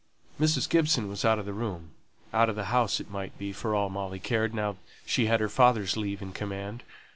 Mrs. Gibson was out of the room; out of the house it might be, for all Molly cared, now she had her father's leave and command.